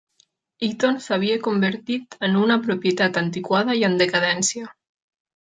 Eaton s'havia convertit en "una propietat antiquada i en decadència".